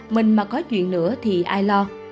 mình mà có chuyện nữa thì ai lo